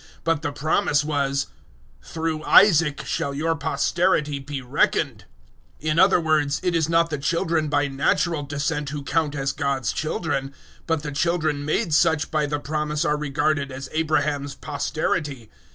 But the promise was "Through Isaac shall your posterity be reckoned." 009:008 In other words, it is not the children by natural descent who count as God's children, but the children made such by the promise are regarded as Abraham's posterity.